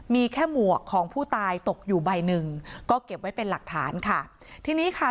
มีแค่หมวกของผู้ตายตกอยู่ใบหนึ่งก็เก็บไว้เป็นหลักฐานค่ะทีนี้ค่ะ